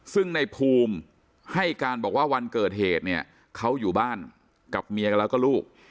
ซึ่งในภูมิให้การบอกว่าวันเกิดเหตุเนี่ยเขาอยู่บ้านกับเมียกันแล้วก็ลูก